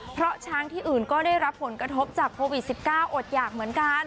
เพราะช้างที่อื่นก็ได้รับผลกระทบจากโควิด๑๙อดหยากเหมือนกัน